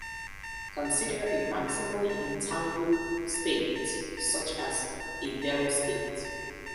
Consider a maximally entangled state such as a Bell state.